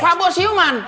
pak bos siuman